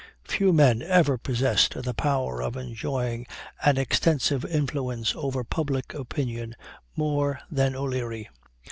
Few men ever possessed the power of enjoying an extensive influence over public opinion more than O'Leary.